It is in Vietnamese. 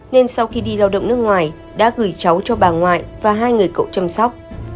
nên sau khi đi lao động nước ngoài đã gửi cháu cho bà ngoại và hai người cậu chăm sóc